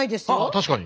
確かに。